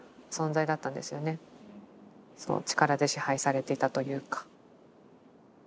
力で支配されていたというか。